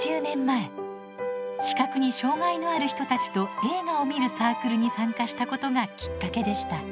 視覚に障がいのある人たちと映画を観るサークルに参加したことがきっかけでした。